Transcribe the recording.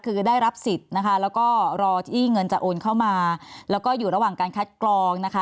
คือได้รับสิทธิ์นะคะแล้วก็รอที่เงินจะโอนเข้ามาแล้วก็อยู่ระหว่างการคัดกรองนะคะ